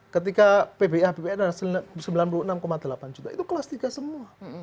ketika pbih bpn adalah sembilan puluh enam delapan juta itu kelas tiga semua